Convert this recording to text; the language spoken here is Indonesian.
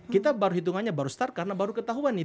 kita baru hitungannya baru start karena baru ketahuan itu